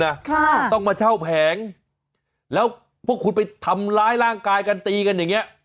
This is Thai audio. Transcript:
ค่ะต้องมาเช่าแผงแล้วพวกคุณไปทำร้ายร่างกายกันตีกันอย่างเงี้ย